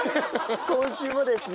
今週もですね